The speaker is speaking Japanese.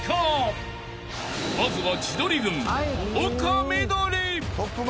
［まずは］